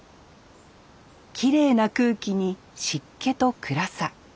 きれいな空気に湿気と暗さ。